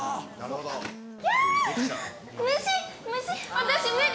私無理！